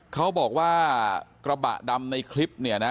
เขาบอกว่ากระบะดำในคลิปเนี่ยนะ